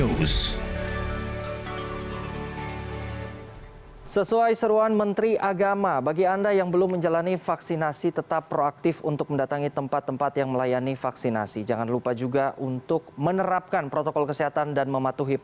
wassalamu'alaikum warahmatullahi wabarakatuh